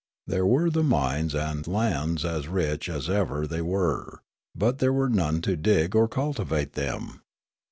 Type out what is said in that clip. There were the mines and lands as rich as eve.r they were ; but there were none to dig or cultivate them.